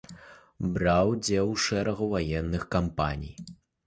Браў удзел у шэрагу ваенных кампаній.